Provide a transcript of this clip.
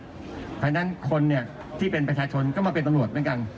เพราะฉะนั้นคนที่เป็นประชาชนก็มาเป็นตำรวจเหมือนกัน